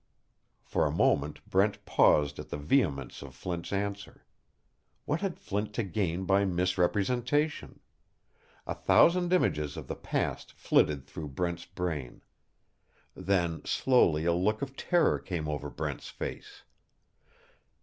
For a moment Brent paused at the vehemence of Flint's answer. What had Flint to gain by misrepresentation? A thousand images of the past flitted through Brent's brain. Then slowly a look of terror came over Brent's face.